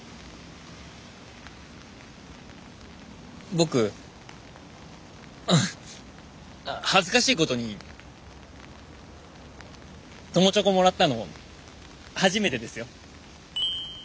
僕恥ずかしいことに友チョコもらったの初めてですよ。